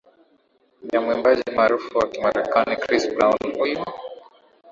ya mwimbaji maarufu wa kimarekani chris brown huyu